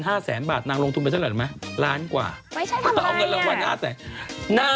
ที่จะทำอะไรเขาไม่ได้เป็นนางโชว์เถอะ